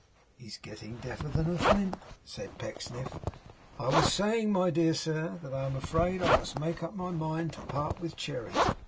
'He's getting deafer than a flint,' said Pecksniff. 'I was saying, my dear sir, that I am afraid I must make up my mind to part with Cherry.